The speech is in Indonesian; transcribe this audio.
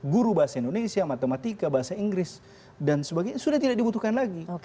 guru bahasa indonesia matematika bahasa inggris dan sebagainya sudah tidak dibutuhkan lagi